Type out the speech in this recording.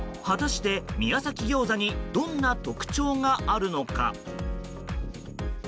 果たして、宮崎ギョーザにどんな特徴があるのか？